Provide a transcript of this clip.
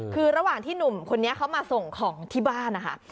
คือระหว่างที่หนุ่มคนนี้เขามาส่งของที่บ้านนะคะ